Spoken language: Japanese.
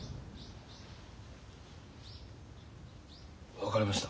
分かりました。